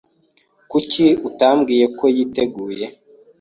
Kuki utambwiye ko yiteguye?